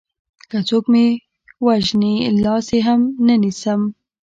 که څوک مې وژني لاس يې هم نه نيسم